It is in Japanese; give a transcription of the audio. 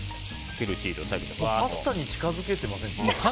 パスタに近づけてませんか？